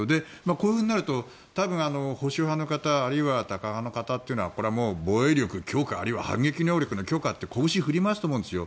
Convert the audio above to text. こういうふうになると多分保守派の方あるいはタカ派の方というのはこれはもう防衛力強化あるいは反撃能力の強化ってこぶしを振り回すと思うんですよ